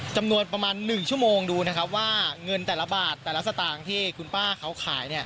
จำนวนประมาณ๑ชั่วโมงดูนะครับว่าเงินแต่ละบาทแต่ละสตางค์ที่คุณป้าเขาขาย